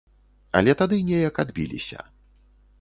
Але тады неяк адбіліся.